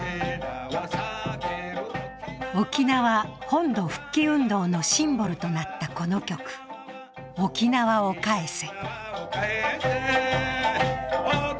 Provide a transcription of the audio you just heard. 沖縄本土復帰運動のシンボルとなったこの曲、「沖縄を返せ」。